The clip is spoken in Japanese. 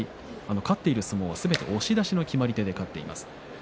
勝っている相撲はすべて押し出しの決まり手です。